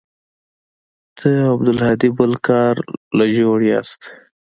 ته او عبدالهادي بل کار له جوړ يې.